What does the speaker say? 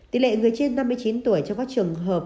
tỷ lệ người trên năm mươi chín tuổi cho các trường hợp